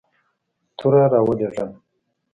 توره را ولېږل.